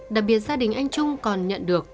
đặc biệt gia đình anh trung còn nhận được